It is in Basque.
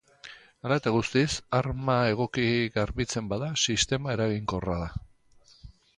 Hala eta guztiz, arma egoki garbitzen bada, sistema eraginkorra da.